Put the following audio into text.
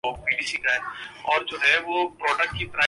اس دریدہ دہنی کا دوسرا سبب عمومی اخلاقی زوال ہے۔